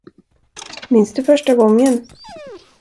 Minns du första gången?